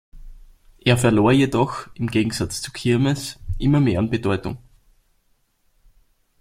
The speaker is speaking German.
Er verlor jedoch, im Gegensatz zur Kirmes, immer mehr an Bedeutung.